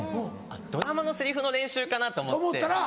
ドラマのセリフの練習かなと思って。